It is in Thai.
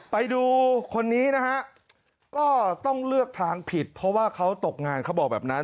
ไปดูคนนี้นะฮะก็ต้องเลือกทางผิดเพราะว่าเขาตกงานเขาบอกแบบนั้น